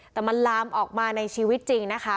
แต่มันลามออกมาในชีวิตจริงนะคะ